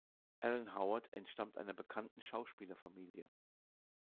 Alan Howard entstammt einer bekannten Schauspielerfamilie.